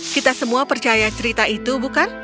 kita semua percaya cerita itu bukan